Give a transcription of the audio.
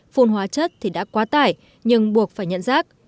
phun hóa chất thì đã quá tải nhưng buộc phải nhận rác